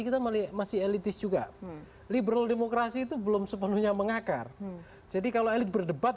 kita masih elitis juga liberal demokrasi itu belum sepenuhnya mengakar jadi kalau elit berdebat